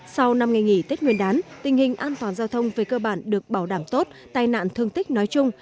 sau năm ngày nghỉ tết nguyên đán tình hình an toàn giao thông về cơ bản được bảo đảm tốt tai nạn thương tích nói chung